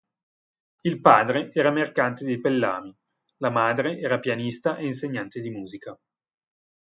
Il padre era mercante di pellami, la madre era pianista e insegnante di musica.